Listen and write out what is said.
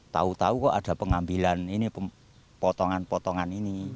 tahu tahu kok ada pengambilan ini potongan potongan ini